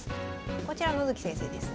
こちら野月先生ですね。